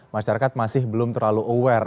masyarakat masih belum terlalu aware